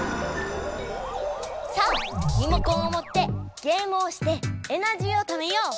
さあリモコンをもってゲームをしてエナジーをためよう！